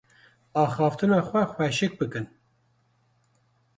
Axaftina xwe xweşik bikin.